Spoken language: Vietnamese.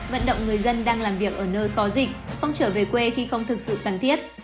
vận động người dân đang làm việc ở nơi có dịch không trở về quê khi không thực sự cần thiết